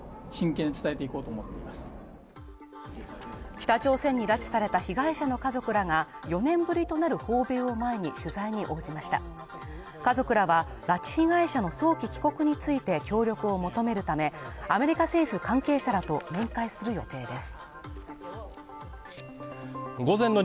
北朝鮮に拉致された被害者の家族らが４年ぶりとなる訪米を前に取材に応じました家族らは拉致被害者の早期帰国について協力を求めるため、アメリカ政府関係者らと面会する予定です。